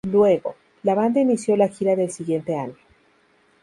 Luego, la banda inició la gira del siguiente año.